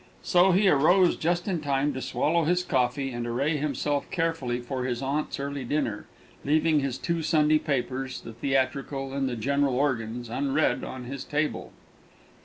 So he rose just in time to swallow his coffee and array himself carefully for his aunt's early dinner, leaving his two Sunday papers the theatrical and the general organs unread on his table.